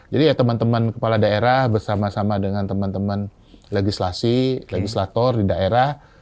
jadi ya teman teman kepala daerah bersama sama dengan teman teman legislasi legislator di daerah